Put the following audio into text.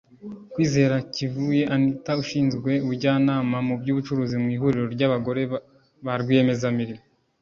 Kwizera Kivuye Anitha ushinzwe ubujyanama mu by’ubucuruzi mu ihuriro ry’abagore ba rwiyemezamirimo